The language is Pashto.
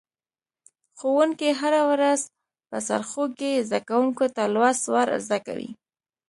ښوونکی هره ورځ په سرخوږي زده کونکو ته لوست ور زده کوي.